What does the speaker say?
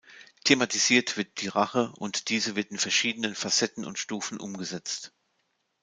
Thematisiert wird die Rache, und diese wird in verschiedenen Facetten und Stufen umgesetzt.